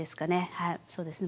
はいそうですね